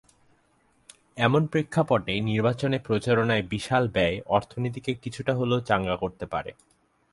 এমন প্রেক্ষাপটে নির্বাচনে প্রচারণায় বিশাল ব্যয় অর্থনীতিকে কিছুটা হলেও চাঙা করতে পারে।